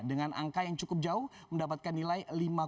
dengan angka yang cukup jauh mendapatkan nilai lima